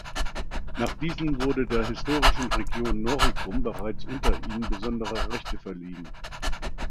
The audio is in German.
Nach diesen wurden der historischen Region Noricum bereits unter ihnen besondere Rechte verliehen.